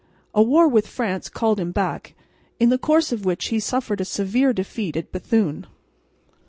A war with France called him back, in the course of which he suffered a severe defeat at Bethune.